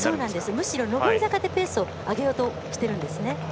むしろ上り坂で上げようとしているんですね。